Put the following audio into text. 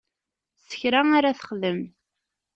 Sekra ara texdem.